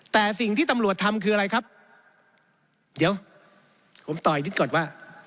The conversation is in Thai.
แต่สิ่งที่ตำรวจทำคืออะไรครับเดี๋ยวผมต่ออีกนิดก่อนว่า